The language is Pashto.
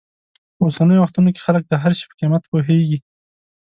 په اوسنیو وختونو کې خلک د هر شي په قیمت پوهېږي.